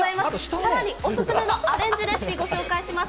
さらにお勧めのアレンジレシピ、ご紹介します。